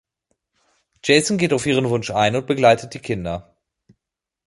Jason geht auf ihren Wunsch ein und begleitet die Kinder.